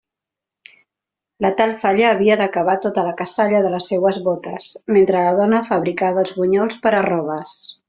La tal falla havia d'acabar tota la cassalla de les seues bótes, mentre la dona fabricava els bunyols per arroves.